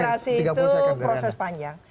demokrasi itu proses panjang